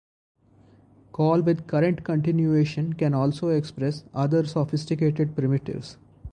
Call-with-current-continuation can also express other sophisticated primitives.